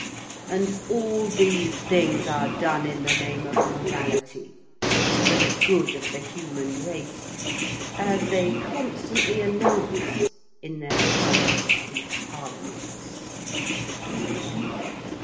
And all these things are done in the name of morality, and for the good of the human race, as they constantly announce in their councils and parliaments.